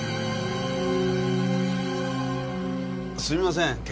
すいません